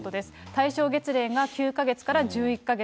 対象月齢が９か月から１１か月。